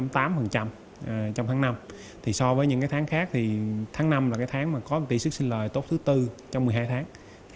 trong tháng năm so với những tháng khác tháng năm là tháng có tỷ xức xin lời tốt thứ tư trong một mươi hai tháng